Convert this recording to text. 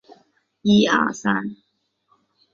马拉卡雅是巴西圣卡塔琳娜州的一个市镇。